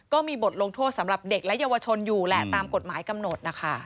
ก็มีบทลงโทษสำหรับเด็กและเยาวชนอยู่แหละตามกฎหมายกำหนดนะคะ